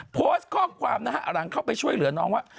โพสต์ข้อความนะฮะหลังเข้าไปช่วยเหลือน้องว่า